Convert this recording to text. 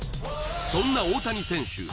そんな大谷選手